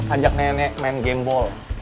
ajak nenek main game ball